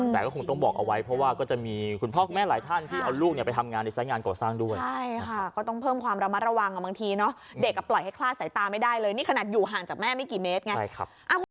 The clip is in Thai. แต่กะมันไปเขย่าโค้งนั่งด้านแม่มันแล้วมันกระลุกเจ้า